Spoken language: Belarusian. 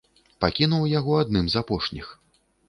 Пакінуў яго адным з апошніх.